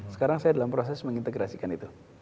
sekarang saya dalam proses mengintegrasikan itu